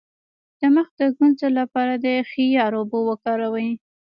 د مخ د ګونځو لپاره د خیار اوبه وکاروئ